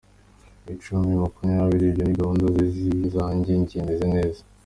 Icumi, makumyabiri, ibyo ni gahunda ze si izanjye, njye meze neza.